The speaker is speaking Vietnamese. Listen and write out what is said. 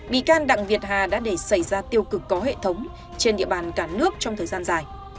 bị can đặng việt hà đã để xảy ra tiêu cực có hệ thống trên địa bàn cả nước trong thời gian dài